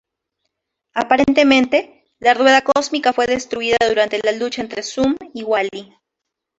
Aparentemente, la Rueda Cósmica fue destruida durante la lucha entre Zoom y Wally.